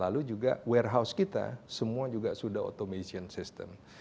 lalu juga warehouse kita semua juga sudah automation system